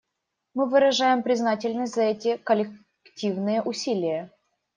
Мы выражаем признательность за эти коллективные усилия.